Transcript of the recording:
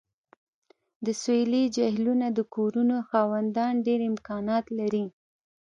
د سویلي جهیلونو د کورونو خاوندان ډیر امکانات لري